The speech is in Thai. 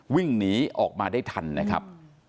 วิ่งหนีออกมาได้ทันนะครับ